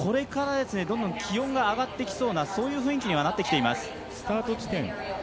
これから、どんどん気温が上がってきそうなそういう雰囲気になっています。